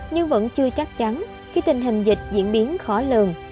nhưng vẫn chưa chắc chắn khi tình hình dịch diễn biến khó lường